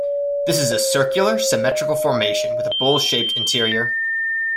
This is a circular, symmetrical formation with a bowl-shaped interior.